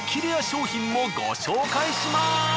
レア商品もご紹介します！